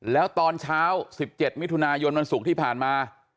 แล้วตอนเช้า๑๗มิถุนายนวันศุกร์ที่ผ่านมา